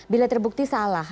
bila terbukti salah